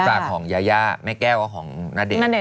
แม่ปลาของยาย่าแม่แก้วของนเด็ก